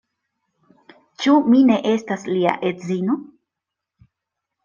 Ĉu mi ne estas lia edzino?